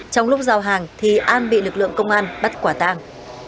trong lúc giao hàng thì an bị lực lượng công an bắt quả tàng